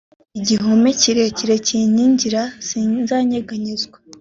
igihome kirekire kinkingira sinzanyeganyezwa